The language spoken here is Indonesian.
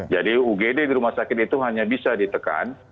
jadi ugd di rumah sakit itu hanya bisa ditekan